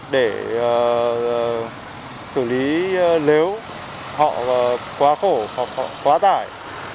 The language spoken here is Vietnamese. để xử lý nếu họ quá khổ hoặc họ quá tải